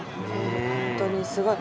本当にすごい。